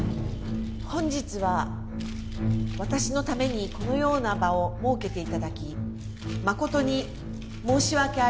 本日は私のためにこのような場を設けていただき誠に申し訳ありません。